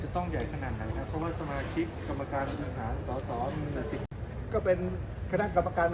ตัวสถานที่จะต้องใหญ่ขนาดไหนเพราะสมาชิกกรรมการมหาสมศิษย์